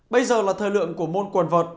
bây giờ là thời lượng của môn quần vật